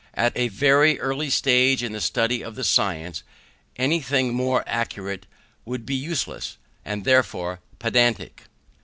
At a very early stage in the study of the science, anything more accurate would be useless, and therefore pedantic.